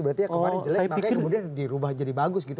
berarti kemarin jelek makanya kemudian dirubah jadi bagus gitu